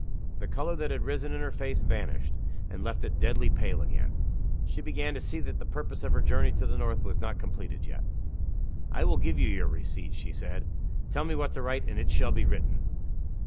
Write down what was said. The color that had risen in her face vanished, and left it deadly pale again. She began to see that the purpose of her journey to the north was not completed yet. "I will give you your receipt," she said. "Tell me what to write, and it shall be written."